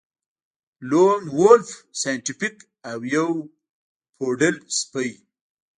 لون وولف سایینټیفیک او یو پوډل سپی